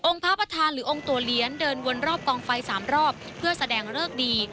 พระประธานหรือองค์ตัวเลี้ยนเดินวนรอบกองไฟ๓รอบเพื่อแสดงเลิกดี